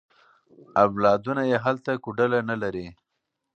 اولادونه یې هلته کوډله نه لري.